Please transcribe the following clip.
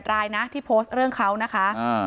รายนะที่โพสต์เรื่องเขานะคะ